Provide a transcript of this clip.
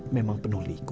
memang penuh liku